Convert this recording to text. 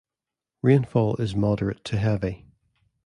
Rainfall is moderate to heavy.